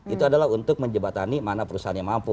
itu adalah untuk menjebatani mana perusahaan yang mampu